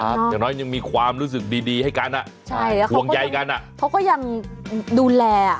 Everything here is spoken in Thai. อย่างน้อยยังมีความรู้สึกดีดีให้กันอ่ะใช่ค่ะห่วงใยกันอ่ะเขาก็ยังดูแลอ่ะ